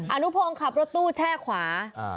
อนุพงศ์ขับรถตู้แช่ขวา